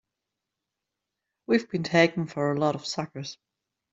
We've been taken for a lot of suckers!